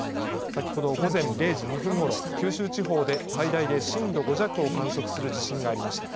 先ほど午前０時２分ごろ、九州地方で最大で震度５弱を観測する地震がありました。